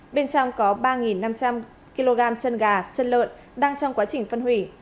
bên trong có ba năm trăm linh kg chân gà chân lợn đang trong quá trình phân hủy